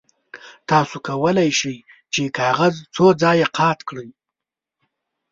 تاسو کولی شئ چې کاغذ څو ځایه قات کړئ.